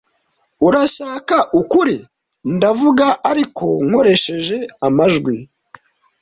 Urashaka ukuri. Ndavuga ariko nkoresheje amajwi.